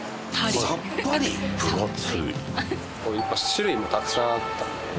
種類もたくさんあったんで。